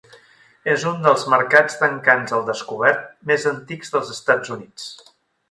És un dels mercats d'encants al descobert més antics dels Estats Units.